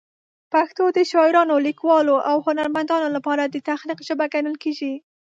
پښتو د شاعرانو، لیکوالو او هنرمندانو لپاره د تخلیق ژبه ګڼل کېږي.